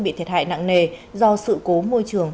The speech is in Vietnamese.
bị thiệt hại nặng nề do sự cố môi trường